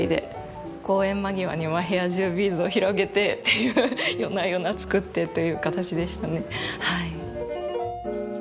公演間際には部屋中ビーズを広げてっていう夜な夜な作ってという形でしたね。